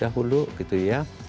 dahulu gitu ya